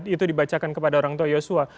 itu dibacakan kepada orang tua yosua